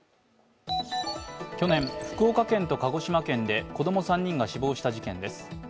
去年、福岡県と鹿児島県で子供３人が死亡した事件です。